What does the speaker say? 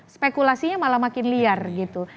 spekulasinya malah makin liar gitu